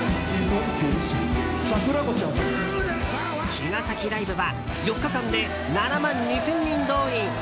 茅ヶ崎ライブは４日間で７万２０００人動員。